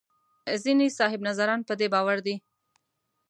ځینې صاحب نظران په دې باور دي.